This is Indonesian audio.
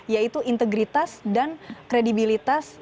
yaitu integritas dan kredibilitas